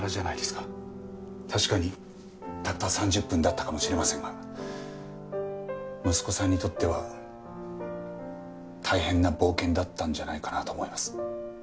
確かにたった３０分だったかもしれませんが息子さんにとっては大変な冒険だったんじゃないかなと思います。